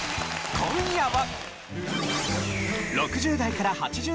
今夜は。